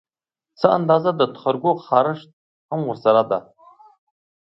څه اندازه د تخرګو خارښت هم ورسره ده